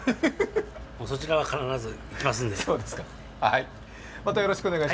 そちらは必ず行きますんで。